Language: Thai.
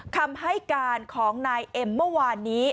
คำให้การของนายเอ็มเมื่อวานนี้